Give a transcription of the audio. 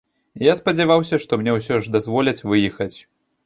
Я спадзяваўся, што мне ўсе ж дазволяць выехаць.